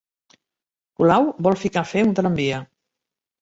Colau vol ficar fer un tramvia